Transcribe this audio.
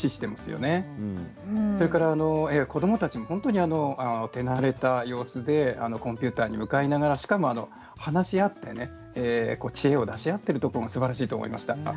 子どもたちも本当に手慣れた様子でコンピューターに向かいながらしかも話し合って知恵を出し合っているところがすばらしいと思いました。